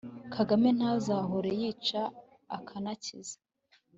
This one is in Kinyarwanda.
kagame ntazahora yica akanakiza